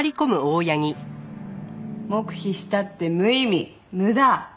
黙秘したって無意味無駄無理。